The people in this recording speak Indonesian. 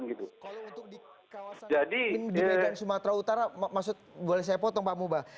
kalau untuk di kawasan di medan sumatera utara boleh saya potong pak mubah